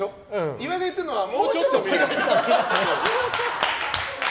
岩井が言っているのはもうちょっと未来だから。